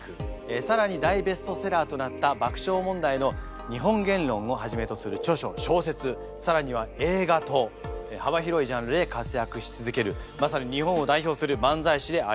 更に大ベストセラーとなった「爆笑問題の日本原論」をはじめとする著書小説更には映画と幅広いジャンルで活躍し続けるまさに日本を代表する漫才師であります。